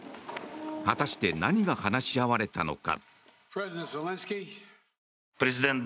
果たして何が話し合われたのか。